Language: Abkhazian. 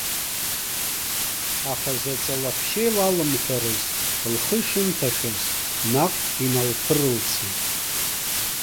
Аха заҵа лаҳәшьа илалымҳәарыз, лхы ишынҭашәаз, наҟ иналԥырылцеит.